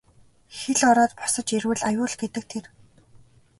Хэл ороод босож ирвэл аюул гэдэг тэр.